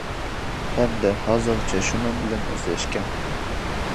ھەمدە ھازىرغىچە شۇ نام بىلەن ئۆزلەشكەن.